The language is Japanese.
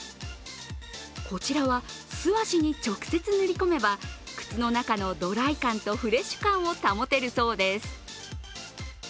こちらは素足に直接塗り込めば、靴の中のドライ感とフレッシュ感を保てるそうです。